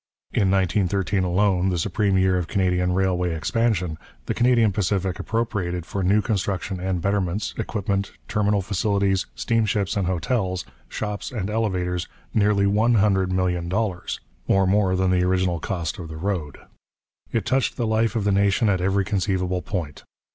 In 1913 alone, the supreme year of Canadian railway expansion, the Canadian Pacific appropriated for new construction and betterments, equipment, terminal facilities, steamships and hotels, shops and elevators, nearly one hundred million dollars, or more than the original cost of the road. It touched the life of the nation at every conceivable point.